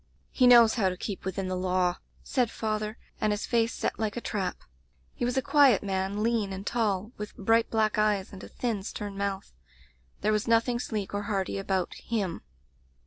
"*He knows how to keep within the law,' said father, and his face set like a trap. He was a quiet man, lean and tall, with bright black eyes and a thin, stern mouth. There was nothing sleek or hearty about him.